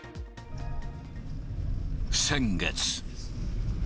先月。